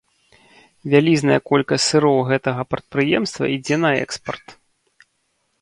Вялізная колькасць сыроў гэтага прадпрыемства ідзе на экспарт.